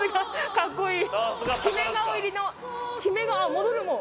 かっこいい！